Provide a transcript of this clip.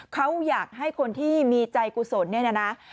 เขาอยากให้คนที่มีใจกุศลเนี่ยนะ